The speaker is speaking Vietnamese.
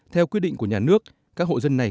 theo quyết định của nhà nước các hộ dân này